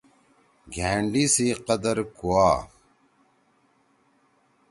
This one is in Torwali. گھأنڈی سی قدر کوا۔